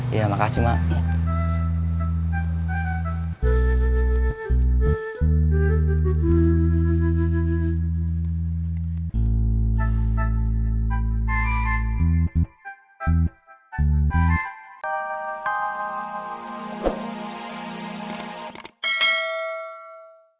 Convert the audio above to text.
ya makasih mak